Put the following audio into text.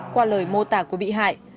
qua lời mô tả của bị hại